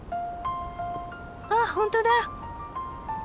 あっ本当だ！